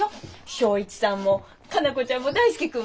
省一さんも佳奈子ちゃんも大介君も。